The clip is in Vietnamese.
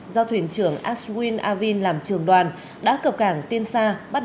do thuyền trưởng ashwin avin làm trường đoàn đã cập cảng tiên sa